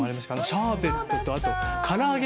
シャーベットとあとからあげ。